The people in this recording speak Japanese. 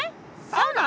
サウナ！？